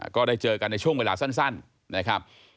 ก็ได้เจอกันในช่วงเวลาสั้นนะครับ